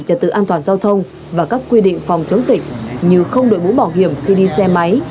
trật tự an toàn giao thông và các quy định phòng chống dịch như không đổi mũ bảo hiểm khi đi xe máy